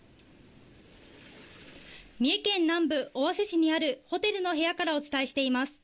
三重県南部尾鷲市にあるホテルの部屋からお伝えしています。